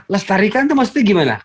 lestarikan itu maksudnya gimana